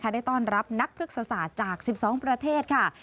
ได้ต้อนรับนักพฤกษศาสตร์จาก๑๒ประเทศค่ะ